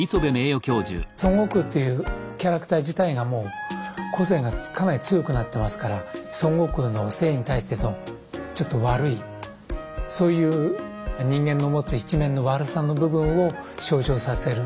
孫悟空っていうキャラクター自体がもう個性がかなり強くなってますから孫悟空の正義に対してのちょっと悪いそういう人間の持つ一面の悪さの部分を象徴させる。